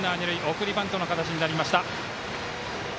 送りバントの形になりました。